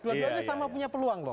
dua duanya sama punya peluang loh